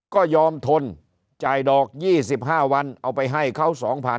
ก็ยอมทนจ่ายดอก๒๕วันเอาไปให้เขา๒๐๐๐